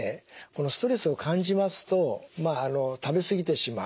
ストレスを感じますとまああの食べ過ぎてしまう。